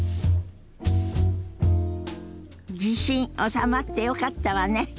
地震収まってよかったわね。